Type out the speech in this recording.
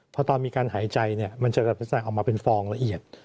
เพราะตอนมีการหายใจเนี่ยมันจะลักษณะออกมาเป็นฟองละเอียด